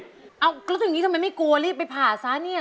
อเรนนี่ส์แล้วถ้าอย่างนี้ทำไมไม่กลัวรีบไปผ่าซะนี่